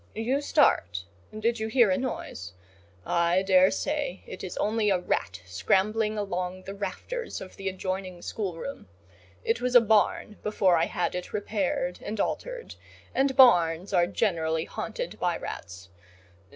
You start—did you hear a noise? I daresay it is only a rat scrambling along the rafters of the adjoining schoolroom: it was a barn before I had it repaired and altered, and barns are generally haunted by rats.